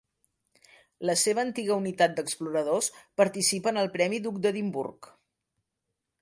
La seva antiga unitat d'exploradors participa en el Premi Duc d'Edimburg.